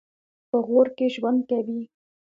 په غور کې ژوند کوي.